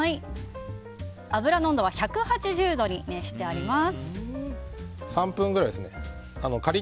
油の温度は１８０度に熱してあります。